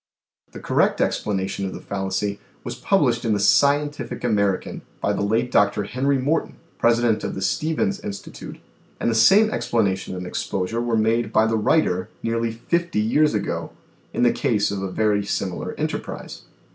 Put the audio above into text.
The correct explanation of the fallacy was published in the " Scientific American," by the late Dr. Henry Morton, president of the Stevens Institute, and the same explanation and exposure were made by the writer, nearly fifty years ago, in the case of a very similar enterprise.